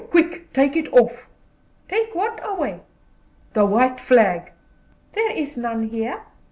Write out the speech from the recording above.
Quick, take it off!" "Take what away?" "The white flag." "There is none here."